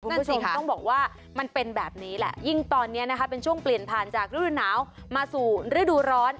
นั่นสิค่ะต้องบอกว่ามันเป็นแบบนี้แหละยิ่งตอนนี้นะคะเป็นช่วงเปลี่ยนผ่านจากฤดูหนาวมาสู่ฤดูร้อน